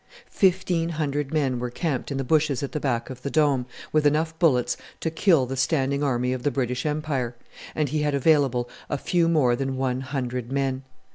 Fifteen hundred men were camped in the bushes at the back of the Dome, with enough bullets to kill the Standing Army of the British Empire; and he had available a few more than one hundred men!